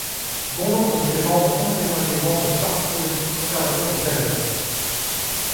Bon nombre de ses membres ont anciennement été membres du Parti progressiste-conservateur du Canada.